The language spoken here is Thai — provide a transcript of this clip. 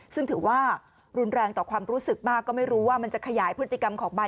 ซึ่งถือว่ารุนแรงต่อความรู้สึกมากก็ไม่รู้ว่ามันจะขยายพฤติกรรมของมัน